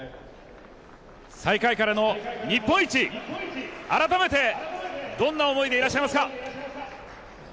最下位からの日本一、改めてどんな思いでいらっしゃいますか。